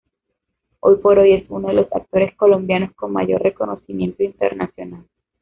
Hoy por hoy es uno de los actores colombianos con mayor reconocimiento internacional.